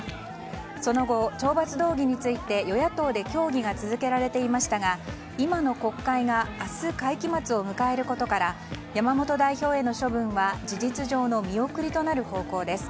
その後、懲罰動議について与野党で協議が続けられていましたが今の国会が明日、会期末を迎えることから山本代表への処分は事実上の見送りとなる方向です。